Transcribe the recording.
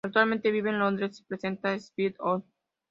Actualmente vive en Londres y presenta "Switched On".